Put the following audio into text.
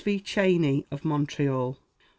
V. Cheney, of Montreal. J.